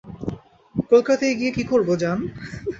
কলকাতায় গিয়ে কী করব জান।